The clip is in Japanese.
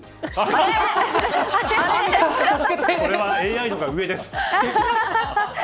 これは、ＡＩの方が上です。